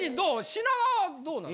品川はどうなの？